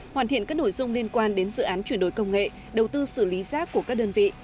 hoàn thiện các nội dung liên quan đến dự án chuyển đổi công nghệ đầu tư xử lý rác của các đơn vị